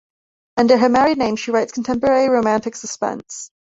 Under her married name she writes contemporary romantic-suspense.